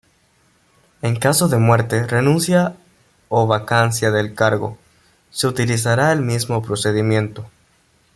En caso de muerte, renuncia o vacancia del cargo, se utilizará el mismo procedimiento.